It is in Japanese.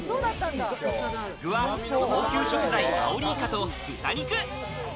具は高級食材アオリイカと豚肉。